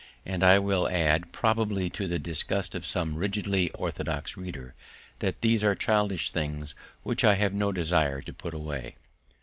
And I will add, probably to the disgust of some rigidly orthodox reader, that these are childish things which I have no desire to put away.